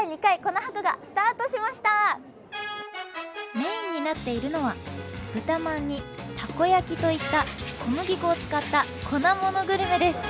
メインになっているのは豚まんにたこ焼きといった小麦粉を使った粉ものグルメです。